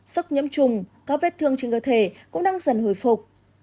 sốc nhiễm trùng các vết thương trên cơ thể cũng đang dần hồi phục